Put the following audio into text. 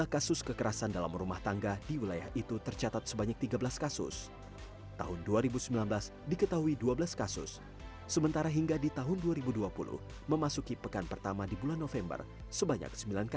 cara mengucapkan kata kata yang lebih baik